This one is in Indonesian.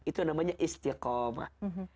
itu namanya istiqomah